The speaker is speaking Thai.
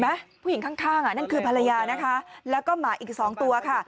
ผู้หญิงข้างอ่ะนั่นคือภรรยานะคะแล้วก็หมาอีกสองตัวค่ะ